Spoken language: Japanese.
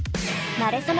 なれそめ！